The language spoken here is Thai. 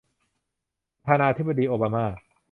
ประธานาธิปดีโอบาม่า